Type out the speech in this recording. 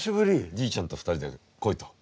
じいちゃんと２人で来いと。